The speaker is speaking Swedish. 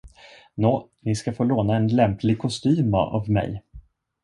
Nå, ni ska få låna en lämplig kostym av mig.